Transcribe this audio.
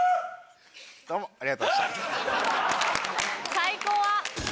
最高は。